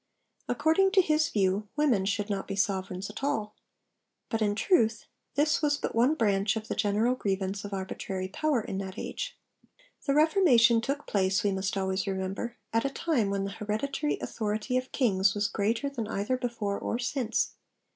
According to his view women should not be sovereigns at all. But, in truth, this was but one branch of the general grievance of arbitrary power in that age. The Reformation took place, we must always remember, at a time when the hereditary authority of kings was greater than either before or since.